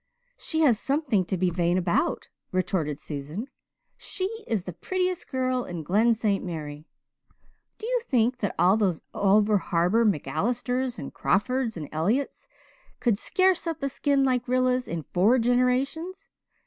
"She has something to be vain about," retorted Susan. "She is the prettiest girl in Glen St. Mary. Do you think that all those over harbour MacAllisters and Crawfords and Elliotts could scare up a skin like Rilla's in four generations?